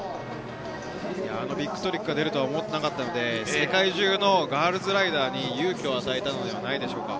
あのビッグトリックが出るとは思っていなかったので、世界中のガールズライダーに勇気を与えたのではないでしょうか。